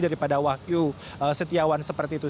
daripada wahyu setiawan seperti itu